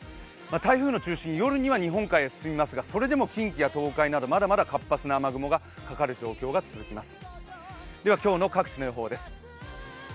台風の中心、夜には日本海に進みますが、それでも近畿や東海などまだまだ活発な雨雲がかかる状況が続きます。